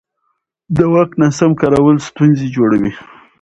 د واک ناسم کارول ستونزې جوړوي